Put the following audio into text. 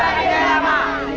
hidup di jaya lama